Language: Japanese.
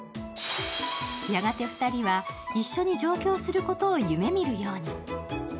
やがて２人は一緒に上京することを夢みるように。